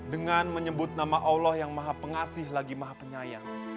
dengan menyebut nama allah yang maha pengasih lagi maha penyayang